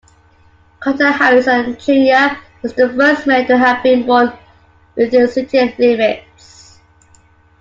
Carter Harrison, Junior was the first mayor to have been born within city limits.